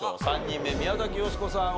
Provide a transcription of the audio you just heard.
３人目宮崎美子さん